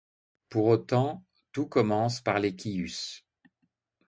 Pour autant, tous commencent par les kyus.